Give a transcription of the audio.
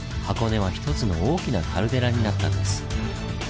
箱根は１つの大きなカルデラになったんです。